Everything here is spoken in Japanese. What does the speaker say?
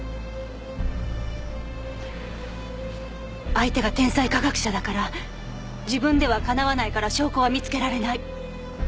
相手が天才科学者だから自分ではかなわないから証拠は見つけられない。